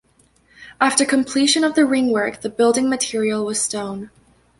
After completion of the ringwork, the building material was stone.